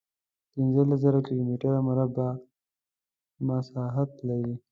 پنځلس زره کیلومتره مربع مساحت لري.